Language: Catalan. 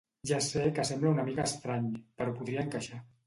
Ja sé que sembla una mica estrany, però podria encaixar.